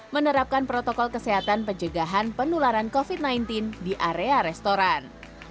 menerapkan protokol kesehatan pencegahan penularan covid sembilan belas di area restoran